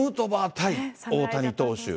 対大谷投手。